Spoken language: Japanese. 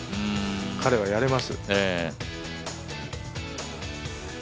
彼はやれますよ。